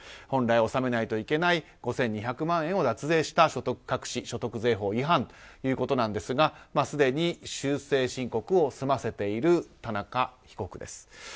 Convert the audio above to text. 本来、納めないといけない５２００万円を脱税した所得隠し所得税法違反ということですがすでに修正申告を済ませている田中被告です。